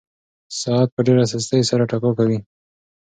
ساعت په ډېره سستۍ سره ټکا کوي.